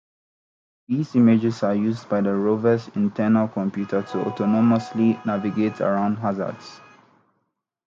These images are used by the rovers' internal computer to autonomously navigate around hazards.